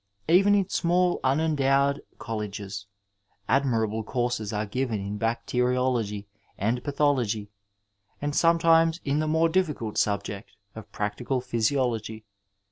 Even in small unendowed ooUeges admirable courses aze given in bacteriology and pathology, and sometimes in the more difficult subject of practical physiology.